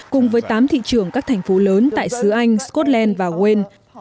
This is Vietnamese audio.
cùng với tám thị trường các thành phố lớn tại xứ anh scotland và ween